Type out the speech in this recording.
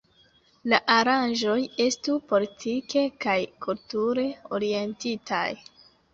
La aranĝoj estu politike kaj kulture orientitaj.